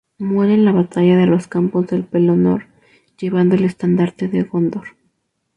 Muere en la Batalla de los Campos del Pelennor llevando el estandarte de Gondor.